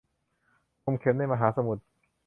งมเข็มในมหาสมุทร